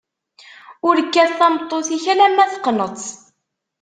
Ur kkat tameṭṭut-ik alemma teqneḍ-tt.